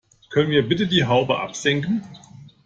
Können wir bitte die Haube absenken?